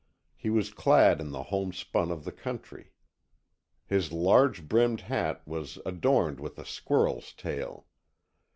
He was clad in the homespun of the country. His large brimmed hat was adorned with a squirrel's tail.